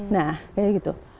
nah kayak gitu